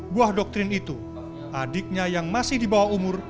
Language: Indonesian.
buah doktrin itu adiknya yang masih di bawah umur